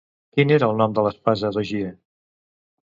Quin era el nom de l'espasa d'Ogier?